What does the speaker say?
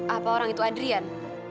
apa orang itu adrian